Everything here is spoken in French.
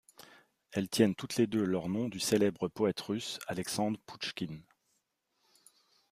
Elles tiennent toutes les deux leur nom du célèbre poète russe Alexandre Pouchkine.